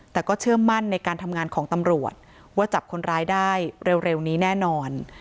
แต่ก็เชื่อมั่นในการทำงานของตำรวจว่าจับคนร้ายได้เร็วนี้แน่นอน